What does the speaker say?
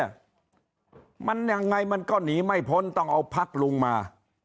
มันยังไงมันก็หนีไม่พ้นต้องเอาพักลุงมา